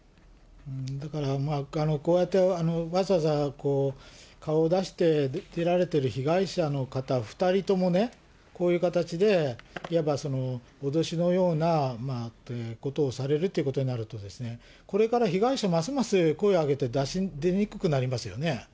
だから、こうやってわざわざ顔を出して出られている被害者の方、２人ともね、こういう形でいわば脅しのようなということをされるということになると、これから被害者、ますます声を上げて出にくくなりますよね。